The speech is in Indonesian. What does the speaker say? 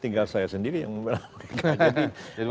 tinggal saya sendiri yang membela mereka